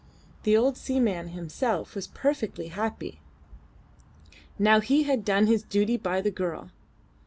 The old seaman himself was perfectly happy. Now he had done his duty by the girl.